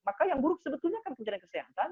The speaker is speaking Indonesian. maka yang buruk sebetulnya kan kementerian kesehatan